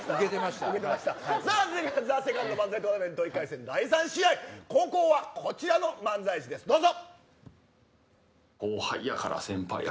ＴＨＥＳＥＣＯＮＤ漫才トーナメント１回戦、第３試合後攻はこちらの漫才師です、どうぞ。